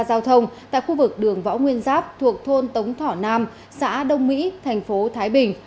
giao thông tại khu vực đường võ nguyên giáp thuộc thôn tống thỏ nam xã đông mỹ thành phố thái bình